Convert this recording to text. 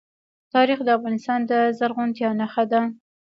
تاریخ د افغانستان د زرغونتیا نښه ده.